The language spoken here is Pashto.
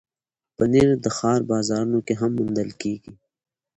پنېر د ښار بازارونو کې هم موندل کېږي.